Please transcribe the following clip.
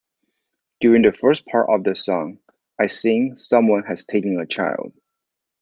During the first part of the song, I sing 'Someone has taken a child.